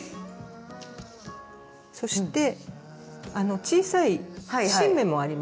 そして小さい新芽もあります。